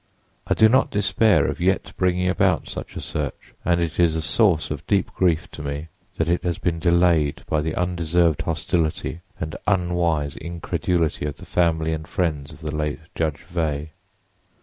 I do not despair of yet bringing about such a search, and it is a source of deep grief to me that it has been delayed by the undeserved hostility and unwise incredulity of the family and friends of the late Judge Veigh."